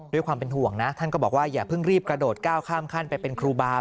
ด้วยความเป็นห่วงนะท่านก็บอกว่าอย่าเพิ่งรีบกระโดดก้าวข้ามขั้นไปเป็นครูบา